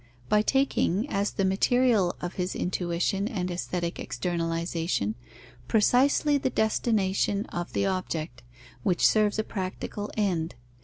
By taking, as the material of his intuition and aesthetic externalization, precisely the destination of the object, which serves a practical end.